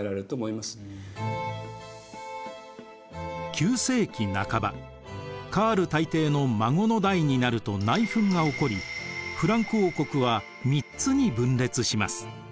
９世紀半ばカール大帝の孫の代になると内紛が起こりフランク王国は３つに分裂します。